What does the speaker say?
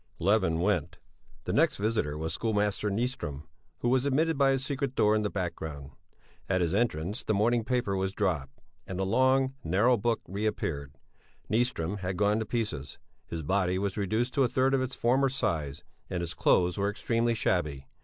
Levin went. The next visitor was schoolmaster Nyström, who was admitted by a secret door in the background. At his entrance the morning paper was dropped, and the long, narrow book reappeared. Nyström had gone to pieces. His body was reduced to a third of its former size, and his clothes were extremely shabby.